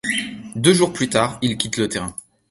Deux jours plus tard, il quitte le terrain.